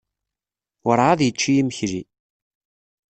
Werɛad yečči imekli.